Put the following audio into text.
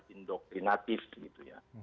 indoktrinatif gitu ya